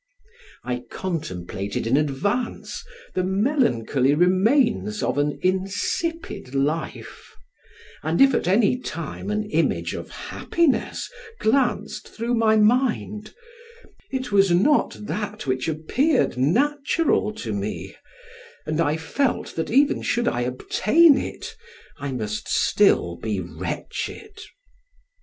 I contemplated in advance the melancholy remains of an insipid life, and if at any time an image of happiness glanced through my mind, it was not that which appeared natural to me, and I felt that even should I obtain it I must still be wretched.